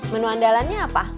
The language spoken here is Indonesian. menu andalannya apa